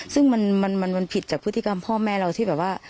ซึ่งมันผิดจากพฤติกรรมพ่อแม่เราที่แบบว่า